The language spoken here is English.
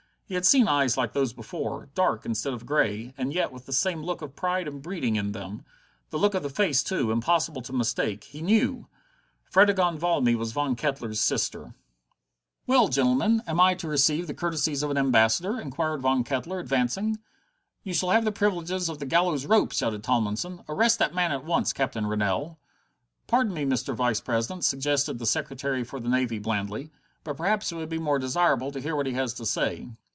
He had seen eyes like those before, dark instead of grey, and yet with the same look of pride and breeding in them; the look of the face, too, impossible to mistake he knew! Fredegonde Valmy was Von Kettler's sister! "Well, gentlemen, am I to receive the courtesies of an ambassador?" inquired Van Kettler, advancing. "You shall have the privileges of the gallows rope!" shouted Tomlinson. "Arrest that man at once, Captain Rennell!" "Pardon me, Mr. Vice president," suggested the Secretary for the Navy blandly, "but perhaps it would be more desirable to hear what he has to say."